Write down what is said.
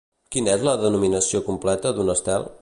Quina és la denominació completa d'un estel?